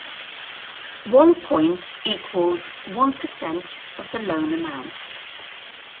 One point equals one percent of the loan amount.